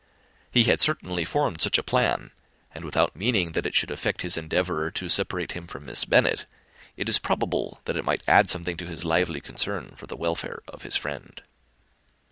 He had certainly formed such a plan; and without meaning that it should affect his endeavour to separate him from Miss Bennet, it is probable that it might add something to his lively concern for the welfare of his friend.